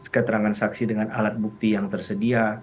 keterangan saksi dengan alat bukti yang tersedia